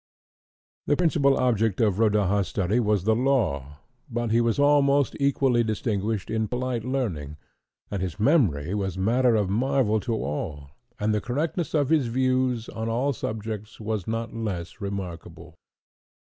The principal object of Rodaja's study was the law, but he was almost equally distinguished in polite learning, and his memory was matter of marvel to all; and the correctness of his views on all subjects was not less remarkable.